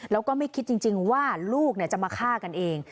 แล้วก็ไม่คิดจริงว่าลูกจะมาฆ่ากันเอง